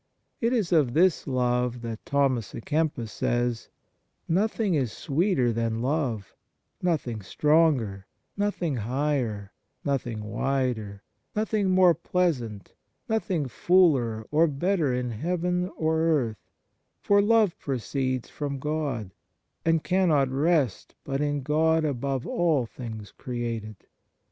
It is of this love that Thomas a Kempis says: " Nothing is sweeter than love, nothing stronger, nothing higher, nothing wider, nothing more pleasant, nothing fuller or better in heaven or earth; for love proceeds from God, and cannot rest but in God above all things created.